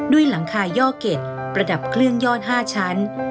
หลังคาย่อเก็ตประดับเครื่องยอด๕ชั้น